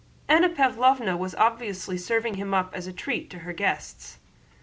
Anna Pávlovna was obviously serving him up as a treat to her guests.